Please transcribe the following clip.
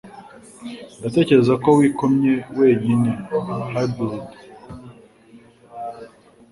Ndatekereza ko wikomye wenyine. (Hybrid)